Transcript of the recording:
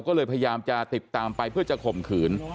ก็เลยพยายามจะติดตามไปเพื่อจะข่มขืน